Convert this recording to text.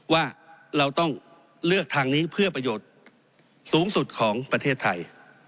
ว่าเราต้องเลือกทางนี้เพื่อประโยชน์สูงสุดของประเทศไทย